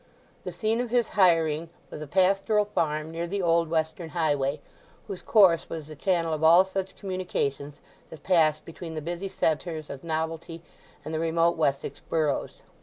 The scene of his hiring was a pastoral farm near the old western highway, whose course was the channel of all such communications as passed between the busy centres of novelty and the remote Wessex boroughs.